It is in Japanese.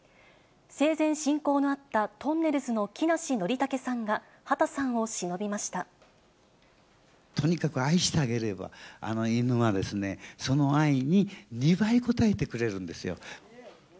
生前親交のあったとんねるずの木梨憲武さんが畑さんをしのびましとにかく愛してあげれば、犬はですね、その愛に２倍応えてくれるんですよ。